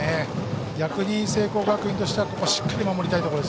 逆に聖光学院としてはここはしっかり守りたいところ。